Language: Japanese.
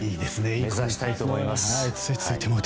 目指したいと思います。